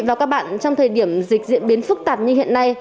và các bạn trong thời điểm dịch diễn biến phức tạp như hiện nay